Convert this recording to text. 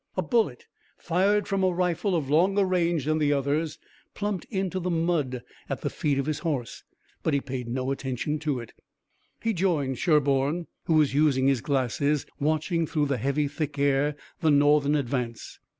A bullet fired from a rifle of longer range than the others plumped into the mud at the feet of his horse, but he paid no attention to it. He joined Sherburne, who was using his glasses, watching through the heavy, thick air the Northern advance.